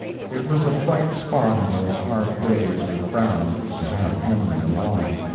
It was a bright spot in those hard days with Brown to have Henry along.